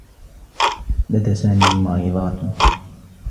لدى سامي مريضات.